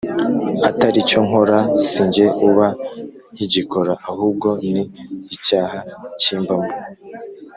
Atari cyo nkora si jye uba nkigikora ahubwo ni icyaha kimbamo